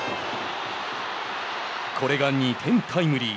これが２点タイムリー。